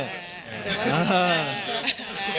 จับมือจับมือ